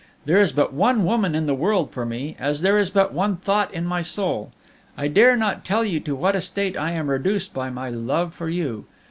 There is but one woman in the world for me, as there is but one thought in my soul. I dare not tell you to what a state I am reduced by my love for you.